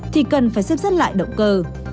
thì cần phải xếp dắt lại động cơ